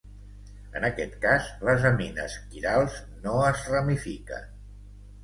En aquest cas, les amines quirals no es ramifiquen.